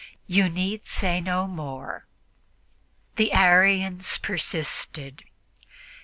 You need say no more." The Arians persisted.